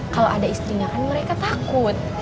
kalau ada istrinya kan mereka takut